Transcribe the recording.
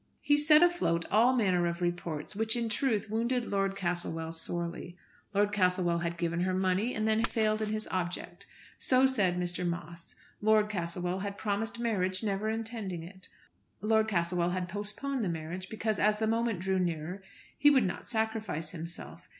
He set afloat all manner of reports, which, in truth, wounded Lord Castlewell sorely. Lord Castlewell had given her money, and had then failed in his object. So said Mr. Moss. Lord Castlewell had promised marriage, never intending it. Lord Castlewell had postponed the marriage because as the moment drew nearer he would not sacrifice himself.